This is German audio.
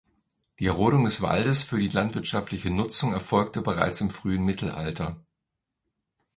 Die Rodung des Waldes für die landwirtschaftliche Nutzung erfolgte bereits im frühen Mittelalter.